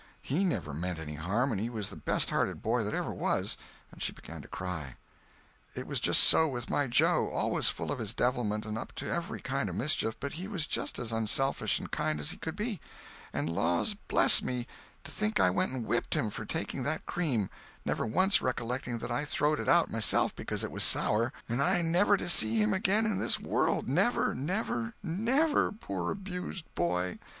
He never meant any harm, and he was the best hearted boy that ever was"—and she began to cry. "It was just so with my Joe—always full of his devilment, and up to every kind of mischief, but he was just as unselfish and kind as he could be—and laws bless me, to think I went and whipped him for taking that cream, never once recollecting that I throwed it out myself because it was sour, and I never to see him again in this world, never, never, never, poor abused boy!"